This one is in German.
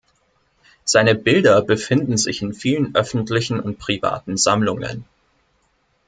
Seine Bilder befinden sich in vielen öffentlichen und privaten Sammlungen.